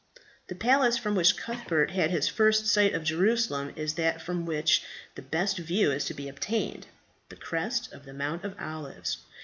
The place from which Cuthbert had his first sight of Jerusalem is that from which the best view is to be obtained the crest of the Mount of Olives.